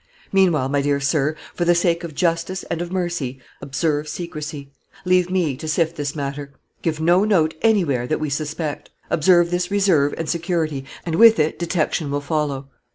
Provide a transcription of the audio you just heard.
"Meanwhile, my dear sir, for the sake of justice and of mercy, observe secrecy. Leave me to sift this matter; give no note anywhere that we suspect. Observe this reserve and security, and with it detection will follow.